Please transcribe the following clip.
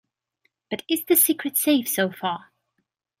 But is the secret safe so far?